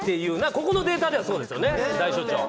ここのデータではそうですよね。